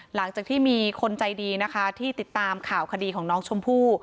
หลังจากที่มีคนใจดีนะคะที่ติดตามข่าวคดีของน้องชมพู่